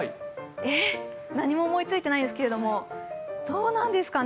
何も思いついてないんですけど、どうなんですかね。